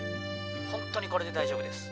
ほんとにこれで大丈夫です。